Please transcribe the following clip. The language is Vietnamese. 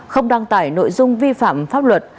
không đăng tải nội dung vi phạm pháp luật